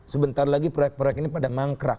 sebentar lagi proyek proyek ini pada mangkrak